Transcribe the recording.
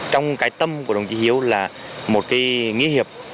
trong cái tâm của đồng chí hiếu là một cái nghĩa hiệp